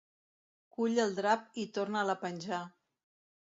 Cull el drap i torna'l a penjar.